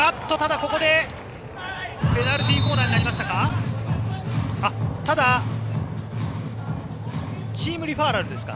ここでペナルティーコーナーになりましたか？